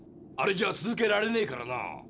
あれじゃ続けられねえからな。